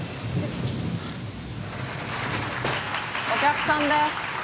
お客さんだよ。